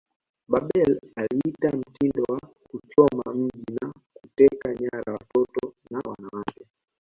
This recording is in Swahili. Babel aliita mtindo wa kuchoma mji na kuteka nyara watoto na wanawake